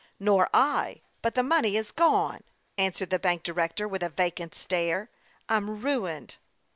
" Nor I ; but the money is gone," answered the bank director, with a vacant stare. " I'm ruined